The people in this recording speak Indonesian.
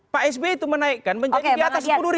pak sby itu menaikkan menjadi di atas sepuluh